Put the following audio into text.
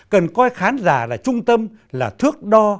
cần coi khán giả là trung tâm là thước đo